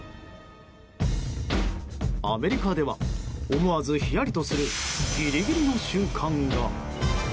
アメリカでは思わずひやりとするギリギリの瞬間が。